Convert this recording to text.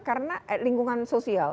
karena lingkungan sosial